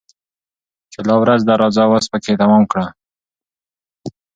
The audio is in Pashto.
چي لا ورځ ده راځه وس پكښي تمام كړو